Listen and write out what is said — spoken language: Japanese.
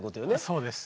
そうです。